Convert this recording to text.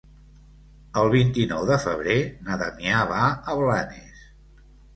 El vint-i-nou de febrer na Damià va a Blanes.